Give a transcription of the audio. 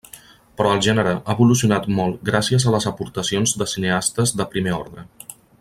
Però el gènere ha evolucionat molt gràcies a les aportacions de cineastes de primer ordre.